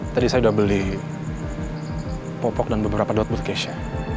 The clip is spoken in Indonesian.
tadi saya udah beli popok dan beberapa dot buat keisha